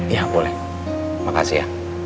ya boleh makasih ya